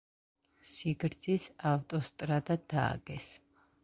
სიგრძის ავტოსტრადა დააგეს.